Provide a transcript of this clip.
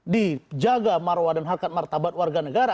dijaga marwa dan harta martabat warga negara